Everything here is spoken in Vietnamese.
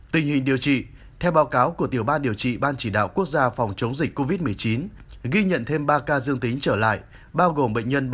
tình hình điều trị theo báo cáo của tiểu ban điều trị ban chỉ đạo quốc gia phòng chống dịch covid một mươi chín ghi nhận thêm ba ca dương tính trở lại bao gồm bệnh nhân bảy trăm bảy